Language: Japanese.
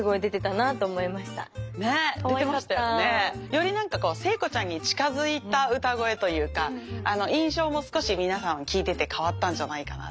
より聖子ちゃんに近づいた歌声というか印象も少し皆さん聴いてて変わったんじゃないかなって思いましたね。